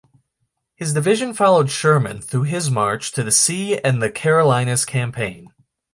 His division followed Sherman through his March to the Sea and the Carolinas Campaign.